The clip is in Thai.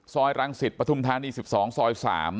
ซอยรังศิษย์ประทุมธานี๑๒ซอย๓